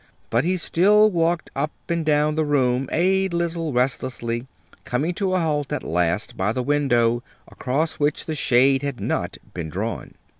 But he still walked up and down the room a little restlessly, coming to a halt at last by the window, across which the shade had not been drawn.